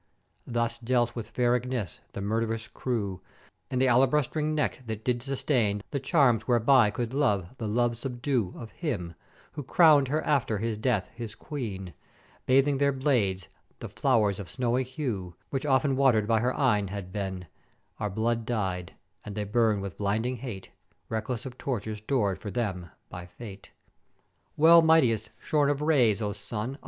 "Thus dealt with fair Ignèz the murth'erous crew, in th' alabastrine neck that did sustain the charms whereby could Love the love subdue of him, who crown'd her after death his Queen; bathing their blades; the flow'ers of snowy hue, which often water'ed by her eyne had been, are blood dyed; and they burn with blinding hate, reckless of tortures stor'd for them by Fate. "Well mightest shorn of rays, O Sun!